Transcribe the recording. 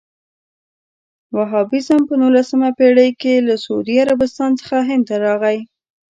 وهابیزم په نولسمه پېړۍ کې له سعودي عربستان څخه هند ته راغی.